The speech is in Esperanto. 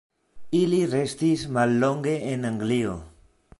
Ili restis mallonge en Anglio.